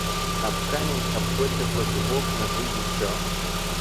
Об камень обточатся зубов ножи еще!